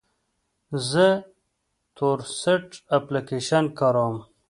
زه تورسټ اپلیکیشن کاروم.